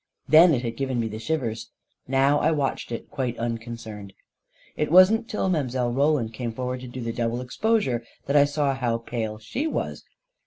Then it had given me the shivers — now I watched it quite unconcerned. It wasn't till Mile. Roland came forward to do the double exposure that I saw how pale she was.